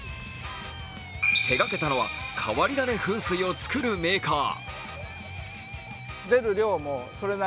手がけたのは変わり種噴水を作るメーカー。